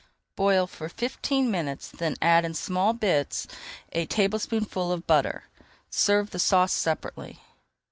Boil for fifteen minutes, then add in small bits a tablespoonful of butter. Serve the sauce separately.